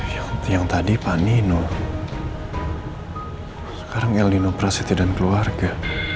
ya yang tadi pak nino sekarang el nino prasetyo dan keluarga